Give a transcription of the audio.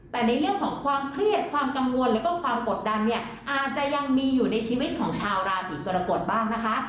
แต่ในเรื่องของความเครียดความกังวลแล้วก็ความกดดันเนี่ยอาจจะยังมีอยู่ในชีวิตของชาวราศีกรกฎบ้างนะคะ